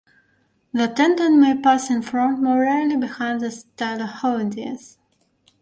The tendon may pass in front, more rarely behind the Stylohoideus.